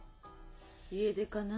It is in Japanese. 家出かな？